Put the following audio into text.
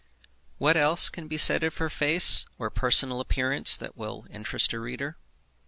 What else can be said of her face or personal appearance that will interest a reader?